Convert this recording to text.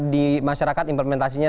di masyarakat implementasinya